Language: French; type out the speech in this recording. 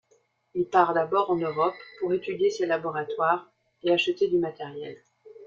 Il part d'abord en Europe pour étudier ses laboratoires et acheter du matériel.